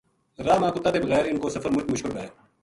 راہ ما کتا تے بغیر اِنھ کو سفر مُچ مشکل وھے